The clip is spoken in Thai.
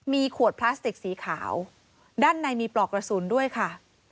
มีขวดพลาสติกสีขาวด้านในมีปลอกกระสุนด้วยค่ะ